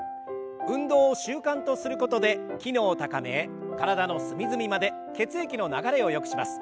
運動を習慣とすることで機能を高め体の隅々まで血液の流れをよくします。